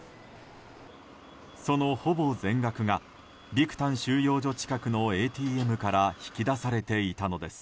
その、ほぼ全額がビクタン収容所近くのＡＴＭから引き出されていたのです。